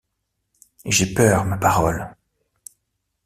J’ai peur, ma parole!